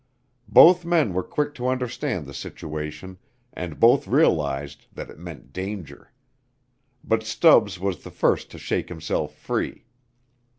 Both men were quick to understand the situation and both realized that it meant danger. But Stubbs was the first to shake himself free.